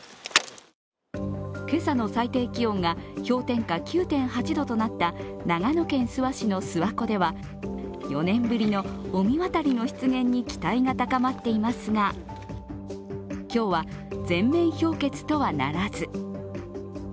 今朝の最低気温が氷点下９．８度となった長野県諏訪市の諏訪湖では４年ぶりの御神渡りの出現に期待が高まっていますが今日は全面氷結とはならず。